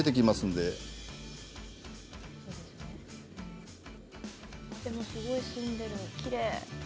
でもすごい澄んでいるきれい。